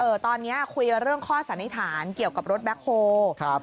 ตอนเนี้ยคุยกับเรื่องข้อสันนิษฐานเกี่ยวกับรถแบ็คโฮลครับ